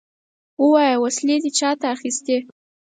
ووايه! وسلې دې چاته اخيستې؟